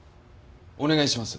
お願いします。